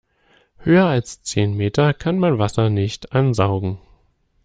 Höher als zehn Meter kann man Wasser nicht ansaugen.